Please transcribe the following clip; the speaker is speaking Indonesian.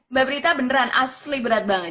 mbak prita beneran asli berat banget